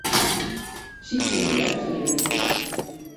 Sykje in webside.